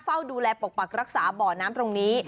เฝ้าดูแลปกปักรักษาบ่อน้ำตรงนี้